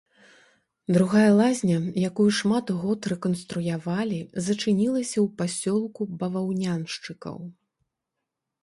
Другая лазня, якую шмат год рэканструявалі, зачынілася ў пасёлку баваўняншчыкаў.